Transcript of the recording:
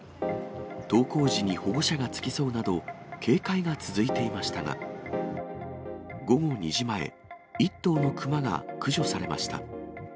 登校時に保護者が付き添うなど、警戒が続いていましたが、午後２時前、１頭の熊が駆除されました。